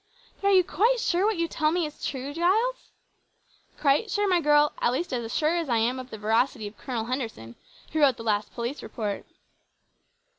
"But are you quite sure that what you tell me is true, Giles?" "Quite sure, my girl at least as sure as I am of the veracity of Colonel Henderson, who wrote the last Police Report."